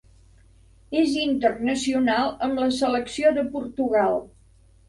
És internacional amb la selecció de Portugal.